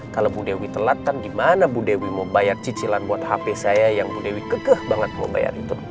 kalau bu dewi telatkan gimana bu dewi mau bayar cicilan buat hp saya yang bu dewi kekeh banget mau bayar itu